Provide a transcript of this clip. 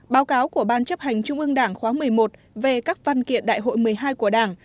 báo cáo của ban chấp hành trung ương đảng khóa một mươi một về các văn kiện đại hội một mươi hai của đảng